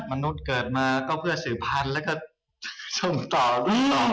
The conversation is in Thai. มนุษย์เกิดมาก็เพื่อสื่อพันธุ์แล้วก็ส่งต่อสู้ต่อ